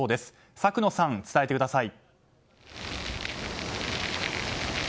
作野さん、伝えてください。